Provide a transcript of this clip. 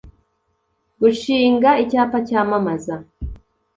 gushinga icyapa cyamamaza